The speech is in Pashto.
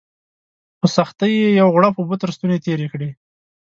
په سختۍ یې یو غوړپ اوبه تر ستوني تېري کړې